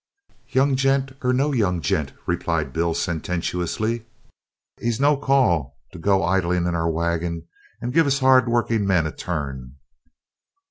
"Young gent, or no young gent," replied Bill sententiously, "he's no call to go 'idin' in our waggins and givin' 'ard workin' men a turn.